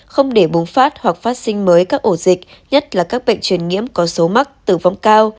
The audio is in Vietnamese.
không để bùng phát hoặc phát sinh mới các ổ dịch nhất là các bệnh truyền nhiễm có số mắc tử vong cao